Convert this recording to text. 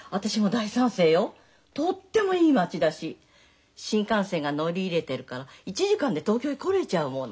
とってもいい町だし新幹線が乗り入れてるから１時間で東京へ来れちゃうもの。